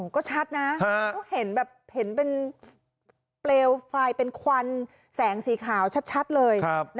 ก็ชัดนะเห็นเป็นเปลวไฟเป็นควันแสงสีขาวชัดเลย